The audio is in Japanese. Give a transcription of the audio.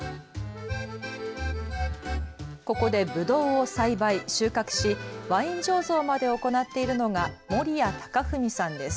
ここでぶどうを栽培、収穫しワイン醸造まで行っているのが森谷尊文さんです。